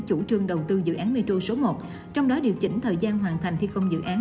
chủ trương đầu tư dự án metro số một trong đó điều chỉnh thời gian hoàn thành thi công dự án